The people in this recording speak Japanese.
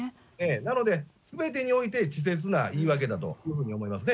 なので、すべてにおいて稚拙な言い訳だというふうに思いますね。